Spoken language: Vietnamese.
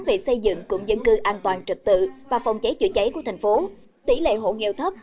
về xây dựng cụm dân cư an toàn trực tự và phòng cháy chữa cháy của thành phố tỷ lệ hộ nghèo thấp